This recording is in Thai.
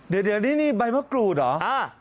เดี๋ยวนี้นี่ใบมะกรูดเหรอ